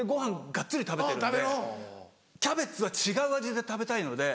がっつり食べてるんでキャベツは違う味で食べたいので。